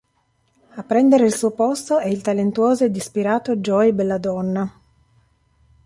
A prendere il suo posto è il talentuoso ed ispirato Joey Belladonna.